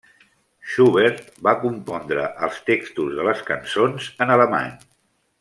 Schubert va compondre els textos de les cançons en alemany.